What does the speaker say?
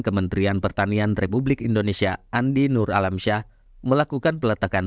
kementerian pertanian republik indonesia andi nur alamsyah melakukan peletakan